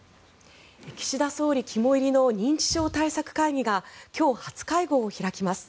岸田総理肝煎りの認知症対策会議が今日初会合を開きます。